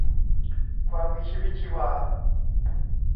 ความมีชีวิตชีวา